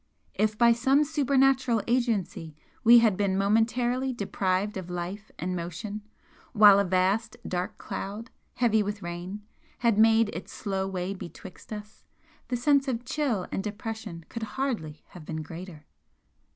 If by some supernatural agency we had been momentarily deprived of life and motion, while a vast dark cloud, heavy with rain, had made its slow way betwixt us, the sense of chill and depression could hardly have been greater.